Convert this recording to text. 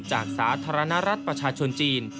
สาธารณรัฐประชาชนจีน